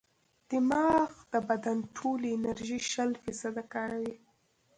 دماغ د بدن ټولې انرژي شل فیصده کاروي.